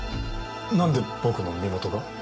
なんで僕の身元が？